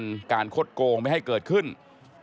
นั่นแหละสิเขายิบยกขึ้นมาไม่รู้ว่าจะแปลความหมายไว้ถึงใคร